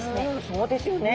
そうですよね。